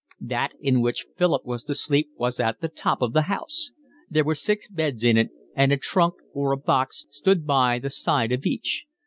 That in which Philip was to sleep was at the top of the house. There were six beds in it, and a trunk or a box stood by the side of each.